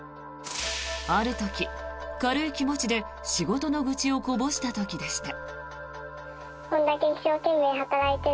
ある時、軽い気持ちで仕事の愚痴をこぼした時でした。